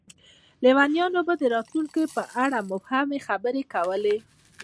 لیونیان به د راتلونکي په اړه مبهمې خبرې کولې.